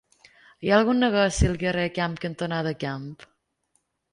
Hi ha algun negoci al carrer Camp cantonada Camp?